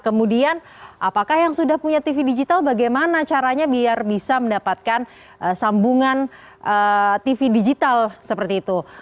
kemudian apakah yang sudah punya tv digital bagaimana caranya biar bisa mendapatkan sambungan tv digital seperti itu